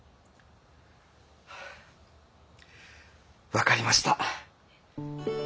分かりました。